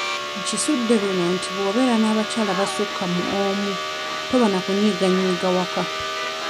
Nkizudde luno nti bw'obeera n'abakyala abasukka mu omu toba na kunyiiganyiiga waka.